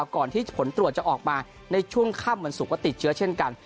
ก่อนที่ผลตรวจจะออกมาในช่วงค่ำวันศุกร์ก็ติดเชื้อเช่นกัน